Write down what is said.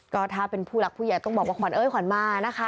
ก็ถ้าเป็นผู้หลักผู้ใหญ่ต้องบอกว่าขวัญเอ้ยขวัญมานะคะ